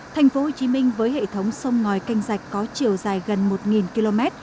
thành phố hồ chí minh với hệ thống sông ngòi canh rạch có chiều dài gần một km